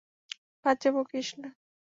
বাজে বকিস না।